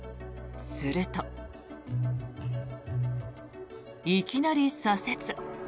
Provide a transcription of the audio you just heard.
すると、いきなり左折。